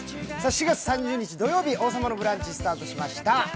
４月３０日土曜日、「王様のブランチ」スタートしました。